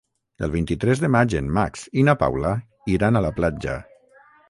El vint-i-tres de maig en Max i na Paula iran a la platja.